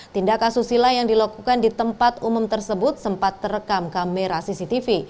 tindak asusila yang dilakukan di tempat umum tersebut sempat terekam kamera cctv